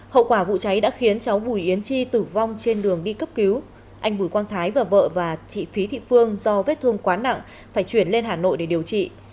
hậu quả vụ cháy đã khiến cháu bùi yến chi tử vong trên đường đi cấp cứu anh bùi quang thái và vợ và chị phí thị phương do vết thương quá nặng phải chuyển lên hà nội để điều trị